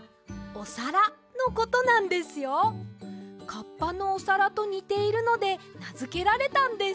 カッパのおさらとにているのでなづけられたんです。